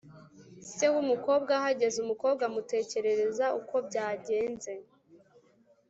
se w’umukobwa ahageze, umukobwa amutekerereza uko byagenze,